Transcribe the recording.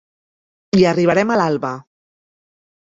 Hi arribarem a l'alba.